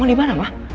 mama dimana ma